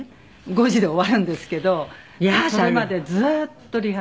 ５時で終わるんですけどそれまでずっとリハーサルでしたね。